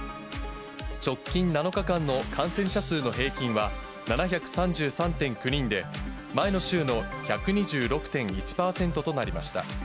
直近７日間の感染者数の平均は、７３３．９人で、前の週の１２６．１％となりました。